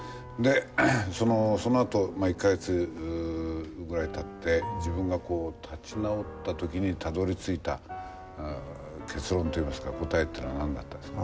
そのあと、１か月ぐらいたって、自分が立ち直ったときにたどりついた結論といいますか答えというのは何だったんですか？